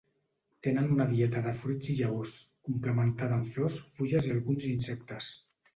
Tenen una dieta de fruits i llavors, complementada amb flors, fulles i alguns insectes.